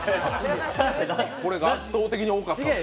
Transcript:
これが圧倒的に多かった。